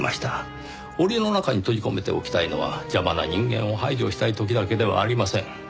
檻の中に閉じ込めておきたいのは邪魔な人間を排除したい時だけではありません。